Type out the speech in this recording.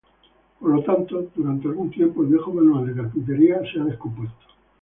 Por lo tanto, durante algún tiempo el viejo manual de carpintería se ha descompuesto.